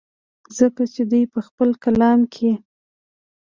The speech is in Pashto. ځکه چې دوي پۀ خپل کلام کښې